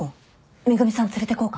恵美さん連れてこうか？